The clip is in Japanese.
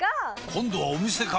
今度はお店か！